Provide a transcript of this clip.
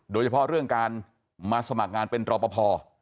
โดยเฉพาะเรื่องการมาสมัครงานเป็นรอปภ